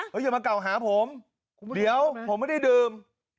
อย่ามากล่าวหาผมเดี๋ยวผมไม่ได้ดื่ม